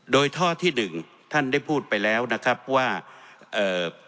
โดยท่อที่หนึ่งท่านได้พูดไปแล้วนะครับว่าเอ่อ